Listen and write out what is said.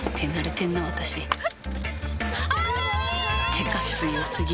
てか強過ぎ